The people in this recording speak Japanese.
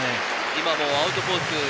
今もアウトコース。